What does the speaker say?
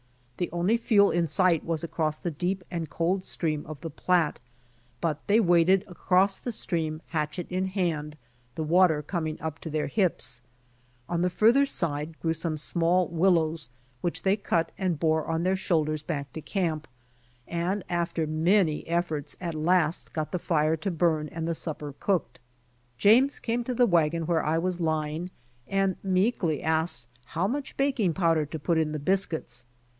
The only fuel in sight was across the deep and cold stream of the Platte, but they waded across the stream hatchet in hand, the water coming up to their hips. On the farther side grew some small willows which they cut and bore on their shoulders back to camp, and after many efforts at last got the fire to burn and the sup per cooked. James came to the wagon where I was lying and meekly asked how much baking powder to put in the biscuits.